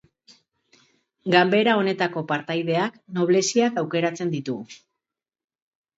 Ganbera honetako partaideak, nobleziak aukeratzen ditu.